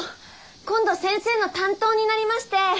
今度先生の担当になりましてー。